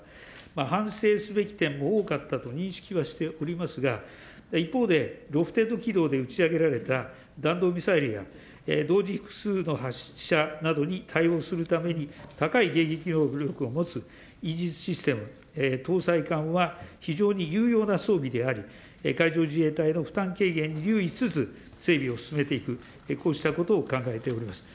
反省すべき点も多かったと認識はしておりますが、一方でロフテッド軌道で打ち上げられた弾道ミサイルや、同時複数の発射などに対応するために高い迎撃能力を持つイージスシステム搭載艦は、非常に有用な装備であり、海上自衛隊の負担軽減に留意しつつ、整備を進めていく、こうしたことを考えております。